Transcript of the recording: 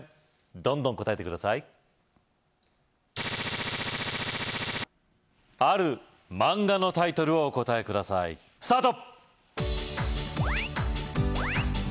どんどん答えて下さいある漫画のタイトルをお答えくださいスタート